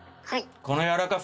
この柔らかさ！